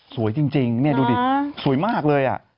สวยจริงนี่ดูดิสวยมากเลย